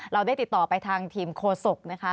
เราได้ติดต่อไปทางทีมโฆษกนะคะ